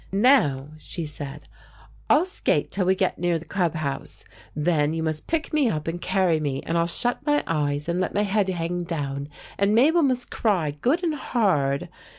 "Now," she said, "I'll skate till we get near the club house. Then you must pick me up and carry me, and I'll shut my eyes and let my head hang down. And Mabel must cry good and hard.